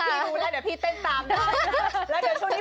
พี่รู้แล้วเดี๋ยวพี่เต้นตามได้